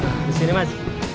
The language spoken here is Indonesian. nah disini mas